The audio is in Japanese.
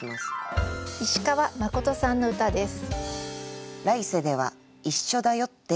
石川真琴さんの歌です。